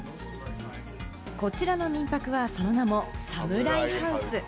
こちらの民泊はその名もサムライハウス。